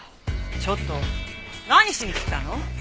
ちょっと何しに来たの？